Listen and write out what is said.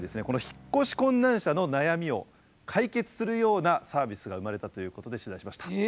この引っ越し困難者の悩みを解決するようなサービスが生まれたということで取材しました。